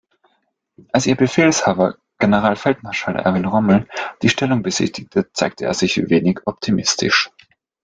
Als ihr Befehlshaber, Generalfeldmarschall Erwin Rommel, die Stellung besichtigte, zeigte er sich wenig optimistisch.